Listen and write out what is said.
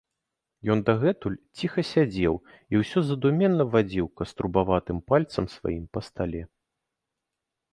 Ён дагэтуль ціха сядзеў і ўсё задуменна вадзіў каструбаватым пальцам сваім па стале.